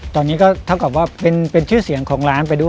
ตอนนี้ก็เท่ากับว่าเป็นชื่อเสียงของร้านไปด้วย